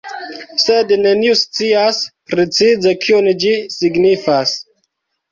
Sed neniu scias, precize kion ĝi signifas.